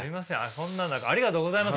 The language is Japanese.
そんな中ありがとうございます。